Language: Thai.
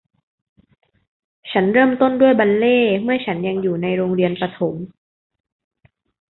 ฉันเริ่มต้นด้วยบัลเล่ต์เมื่อฉันยังอยู่ในโรงเรียนประถม